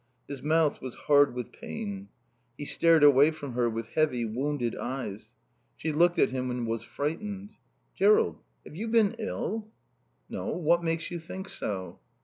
His mouth was hard with pain. He stared away from her with heavy, wounded eyes. She looked at him and was frightened. "Jerrold, have you been ill?" "No. What makes you think so?"